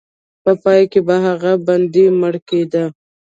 په پای کې به هغه بندي مړ کېده.